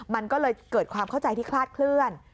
มันก็เลยเกิดความเข้าใจที่คลาดเคลื่อน